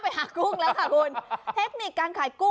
นี่คือเทคนิคการขาย